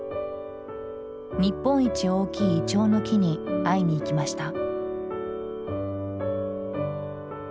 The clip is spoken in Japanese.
日本一大きいイチョウの木に会いに行きました。